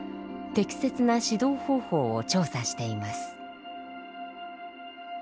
適切な指導方法を調査しています。